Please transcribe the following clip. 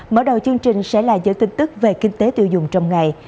mở đầu chương trình sẽ là những tin tức về kinh tế tiêu dùng trong ngày